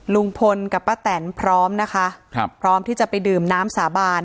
ลุงพลกับป้าแตนพร้อมนะคะครับพร้อมที่จะไปดื่มน้ำสาบาน